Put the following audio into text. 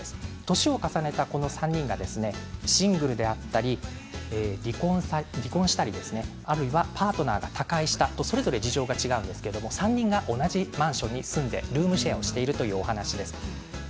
年を重ねた、この３人がシングルだったり離婚したりあるいはパートナーと他界したそれぞれ事情は違うんですけれども３人が同じマンションに住んでルームシェアをしているという話です。